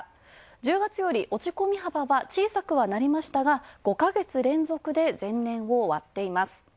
１０月より落ち込み幅は小さくなりましたが５ヶ月連続で前年を割っています。